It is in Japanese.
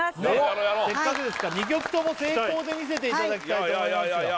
せっかくですから２曲とも成功で見せていただきたいと思いますよ